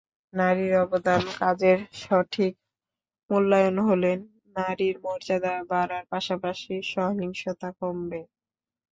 নারীর অবদান, কাজের সঠিক মূল্যায়ন হলে নারীর মর্যাদা বাড়ার পাশাপাশি সহিংসতা কমবে।